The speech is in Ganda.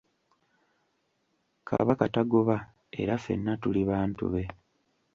Kabaka tagoba era ffenna tuli bantu be.